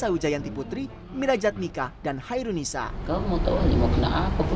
bayanti putri mirajat mika dan hairunisa